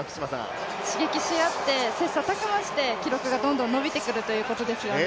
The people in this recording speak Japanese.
刺激しあって切磋琢磨して記録がどんどん出てくるということですよね。